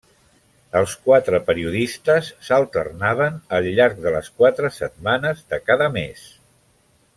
Els quatre periodistes s'alternaven al llarg de les quatre setmanes de cada mes.